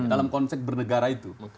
dalam konsep bernegara itu